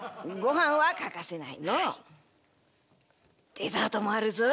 デザートもあるぞい。